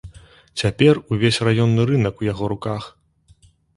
Цяпер увесь раённы рынак у яго руках.